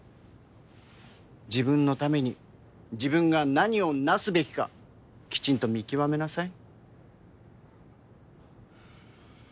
自分のために自分が何をなすべきかきちんと見極めなさい。